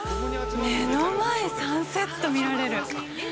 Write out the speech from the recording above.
目の前、サンセット見られる。